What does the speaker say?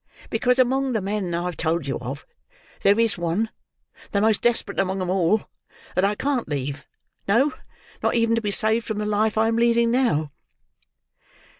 —because among the men I have told you of, there is one: the most desperate among them all; that I can't leave: no, not even to be saved from the life I am leading now."